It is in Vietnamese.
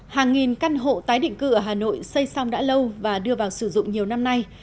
hàng nghìn căn hộ tái định cư ở hà nội xây xong đã lâu và đưa vào sử dụng nhiều năm nay